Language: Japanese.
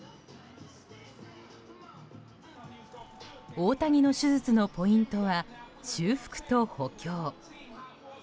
大谷の手術のポイントは修復と補強。